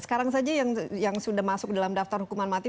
sekarang saja yang sudah masuk dalam daftar hukuman mati